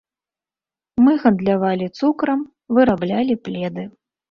Мы гандлявалі цукрам, выраблялі пледы.